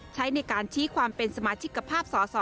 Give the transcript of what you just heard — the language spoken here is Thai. ใช้ในการชี้ความเป็นสมาชิกภาพสอสอ